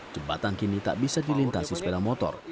jembatan kini tak bisa dilintasi sepeda motor